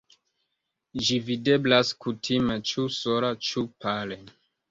Ĝi videblas kutime ĉu sola ĉu pare.